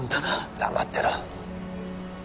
黙ってろ